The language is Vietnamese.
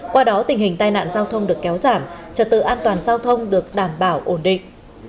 qua đó tình hình tai nạn giao thông được kéo giảm trật tự an toàn giao thông được đảm bảo ổn định